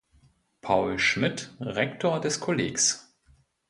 Paul Schmidt Rektor des Kollegs.